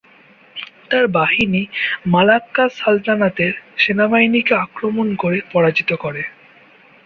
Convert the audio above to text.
তার বাহিনী মালাক্কা সালতানাতের সেনাবাহিনীকে আক্রমণ করে পরাজিত করে।